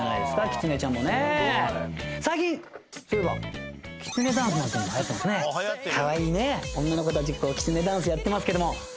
カワイイね女の子たちがきつねダンスやってますけども。